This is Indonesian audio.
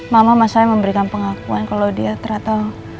mama mama saya memberikan pengakuan kalau dia ternyata